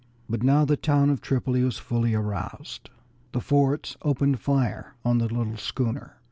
But now the town of Tripoli was fully aroused. The forts opened fire on the little schooner.